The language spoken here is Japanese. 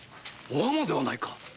お浜ではないか？